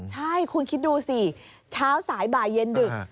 ใช่คุณคิดดูสิเช้าสายบ่ายเย็นดึก